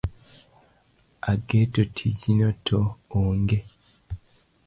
Ageto tijno to oonge.